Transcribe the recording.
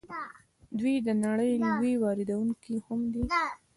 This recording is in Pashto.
دوی د نړۍ لوی واردونکی هم دي.